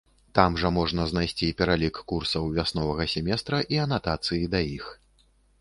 Там жа можна знайсці пералік курсаў вясновага семестра і анатацыі да іх.